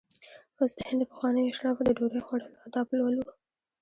اوس د هند د پخوانیو اشرافو د ډوډۍ خوړلو آداب لولو.